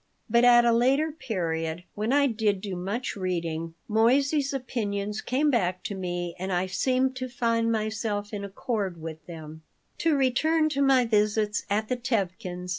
But at a later period, when I did do much reading, Moissey's opinions came back to me and I seemed to find myself in accord with them To return to my visits at the Tevkins'.